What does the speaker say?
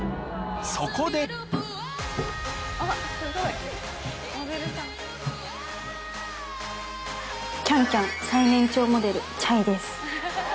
そこで『ＣａｎＣａｍ』最年長モデルｃｈａｙです。